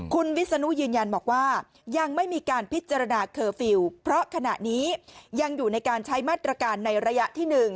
คุณวิศนุยืนยันบอกว่ายังไม่มีการพิจารณาเคอร์ฟิลล์เพราะขณะนี้ยังอยู่ในการใช้มาตรการในระยะที่๑